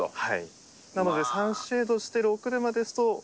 なのでサンシェードしているお車ですと。